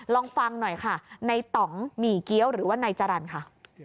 ลองฟังหน่อยค่ะในต่องหมี่เกี้ยวหรือว่านายจรรย์ค่ะ